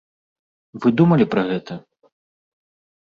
Вы думалі пра гэта?